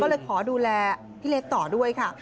เลยขอดูแลพี่เล็กต่อด้วยค่ะ